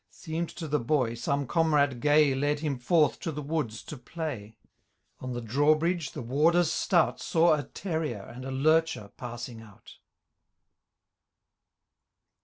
Seem*d to the boy, some comrade gay Led him forth to the woods to play ; On the drawbridge the warden stout Saw a terrier and lurcher passing out J See Appendix.